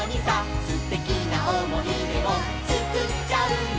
「すてきなおもいでをつくっちゃうんだ」